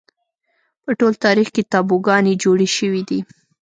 په ټول تاریخ کې تابوگانې جوړې شوې دي